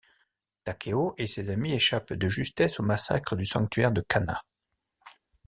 Takeo et ses amis échappent de justesse au massacre du sanctuaire de Kana.